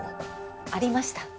ありました。